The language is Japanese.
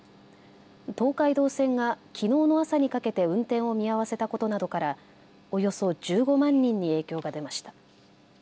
東海道線がきのうの朝にかけて運転を見合わせたことなどからおよそ１５万人に影響が出ました。